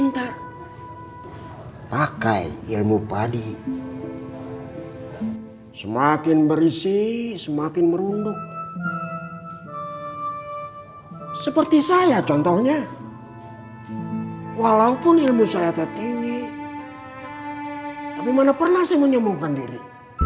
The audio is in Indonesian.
tapi mana pernah saya menyembuhkan diri